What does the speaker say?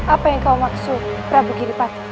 apa yang kau maksud ratu kidul pat